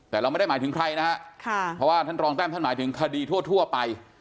แต่เราไม่ได้หมายถึงใครนะฮะเพราะว่าท่านรองแต้มท่านหมายถึงคดีทั่วไป